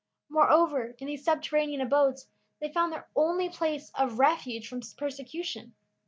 Moreover, in these subterranean abodes, they found their only place of refuge from persecution.